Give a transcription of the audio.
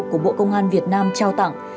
của bộ công an việt nam trao tặng